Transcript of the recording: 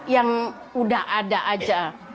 yang udah ada aja